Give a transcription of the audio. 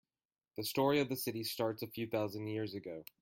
The story of the city starts a few thousand years ago.